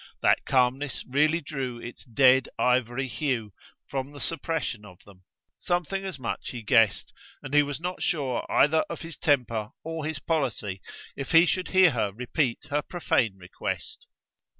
That calmness really drew its dead ivory hue from the suppression of them: something as much he guessed; and he was not sure either of his temper or his policy if he should hear her repeat her profane request.